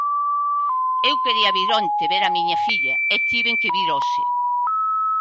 Eu quería vir onte ver a miña filla e tiven que vir hoxe.